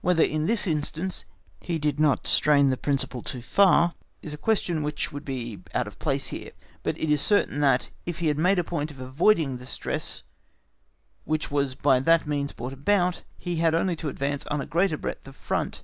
Whether in this instance he did not strain the principle too far is a question which would be out of place here; but it is certain that, if he had made a point of avoiding the distress which was by that means brought about, he had only to advance on a greater breadth of front.